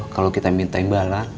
kalau kita minta imbalan